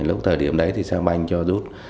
lúc thời điểm đấy thì saigon bank cho rút